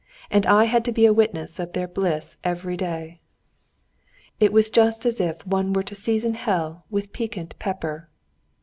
And I had to be a witness of their bliss every day! It was just as if one were to season hell with piquant pepper.